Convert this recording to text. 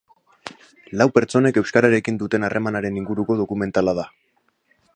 Lau pertsonek euskararekin duten harremanaren inguruko dokumentala da.